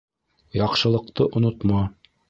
Яҡшылыҡты онотма